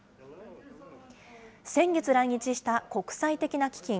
先月来日した国際的な基金、